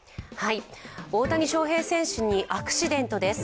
大谷翔平選手にアクシデントです。